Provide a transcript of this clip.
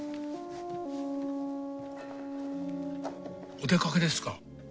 お出かけですか？